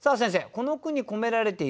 この句に込められているもの